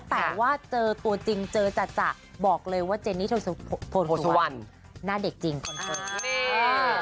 แต่ว่าเจอตัวจริงเจอจัดจัดบอกเลยว่าเจนี่โภชวันหน้าเด็กจริงคนนี้